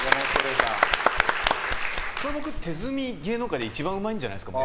これ僕、手積み芸能界で一番うまいんじゃないですか？